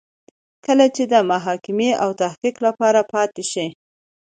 کله چې د محاکمې او تحقیق لپاره پاتې شي.